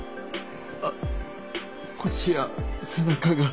あ腰や背中が。